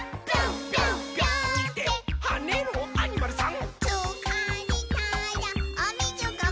はねろアニマルさん！」